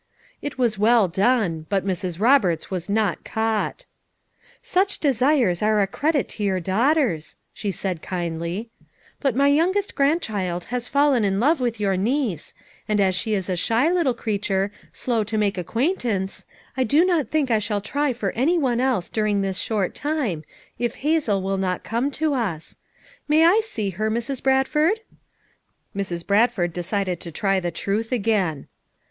It was well done, but Mrs. Roberts was not caught. "Such desires are a credit to your daugh ters/' she said kindly, "but my youngest grandchild has fallen in love with your niece, and as she is a shy little creature, slow to make acquaintance, I do not think I shall try for any one else during this short time, if Hazel will not come to us; may I see her, Mrs. Brad ford!" Mrs. Bradford decided to try the truth again.